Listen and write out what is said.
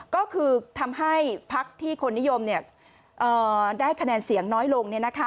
ก็คือทำให้พักที่คนนิยมได้คะแนนเสียงน้อยลง